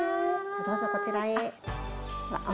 どうぞこちらへ。